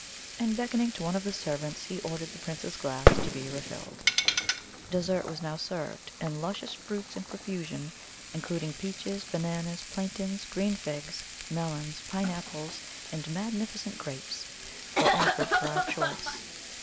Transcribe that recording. And, beckoning to one of the servants, he ordered the Prince's glass to be refilled. Dessert was now served, and luscious fruits in profusion, including peaches, bananas, plantains, green figs, melons, pine apples, and magnificent grapes, were offered for our choice.